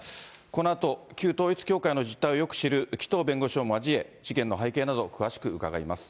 このあと、旧統一教会の実態をよく知る紀藤弁護士を交え、事件の背景など、詳しく伺います。